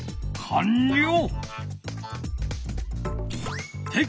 かんりょう！